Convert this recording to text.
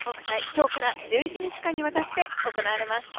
今日から１１に間にわたって行われます。